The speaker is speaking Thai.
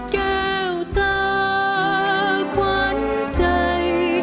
แก้วตาขวัญใจ